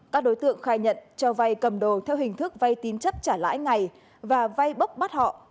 các đối tượng khai nhận cho vay cầm đồ theo hình thức vay tín chấp trả lãi ngày và vay bốc bắt họ